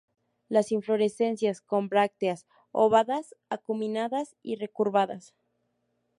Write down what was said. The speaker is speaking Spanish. Las inflorescencias con brácteas ovadas, acuminadas y recurvadas.